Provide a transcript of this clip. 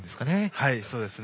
はい、そうですね。